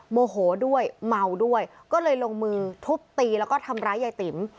โมโหด้วยเมาด้วยก็เลยลงมือทุบตีแล้วก็ทำร้ายยายติ๋ม